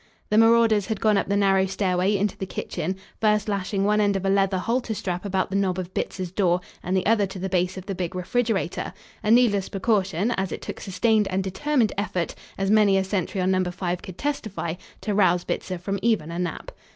The marauders had gone up the narrow stairway into the kitchen, first lashing one end of a leather halter strap about the knob of Bitzer's door and the other to the base of the big refrigerator, a needless precaution, as it took sustained and determined effort, as many a sentry on Number 5 could testify, to rouse Bitzer from even a nap.